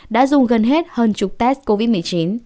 đã dùng gần hết hơn chục test covid một mươi chín